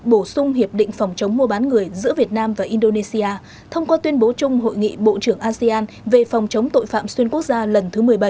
bổ sung hiệp định phòng chống mua bán người giữa việt nam và indonesia thông qua tuyên bố chung hội nghị bộ trưởng asean về phòng chống tội phạm xuyên quốc gia lần thứ một mươi bảy